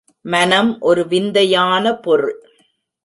மனம் ஒரு விந்தையான பொருள்.